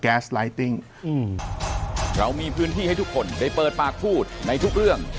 ไลติ้งอืมเรามีพื้นที่ให้ทุกคนได้เปิดปากพูดในทุกเรื่อง